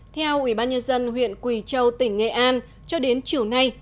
theo ủy ban nhân dân huyện quỳ châu tỉnh nghệ an cho đến chiều nay